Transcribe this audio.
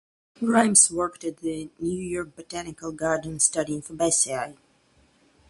Grimes worked at the New York Botanical Garden studying Fabaceae.